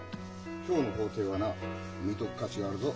今日の法廷はな見とく価値があるぞ。